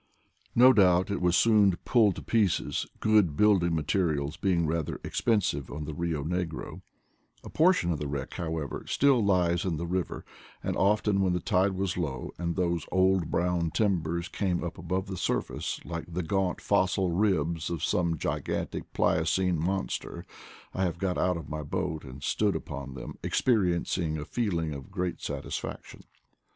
No doubt it was soon pulled to pieces, good building mate rial being rather expensive on the Rio Negro; a portion of the wreck, however, still lies in the river, and often, when the tide was low, and those old brown timbers came up above the surface, like the gaunt fossil ribs of some gigantic Pliocene monster, I have got out of my boat and stood upon them experiencing a feeling of great satis faction.